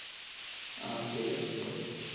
¿Imám coi hacx hant itacniiix oo?